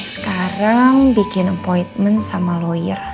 sekarang bikin ampointment sama lawyer